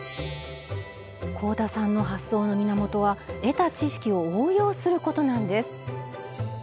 香田さんの発想の源は「得た知識を応用する」ことなんです。